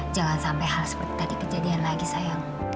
jangan sampai hal seperti tadi kejadian lagi sayang